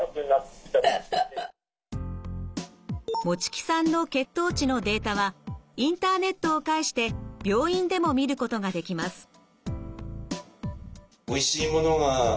持木さんの血糖値のデータはインターネットを介して病院でも見ることができます。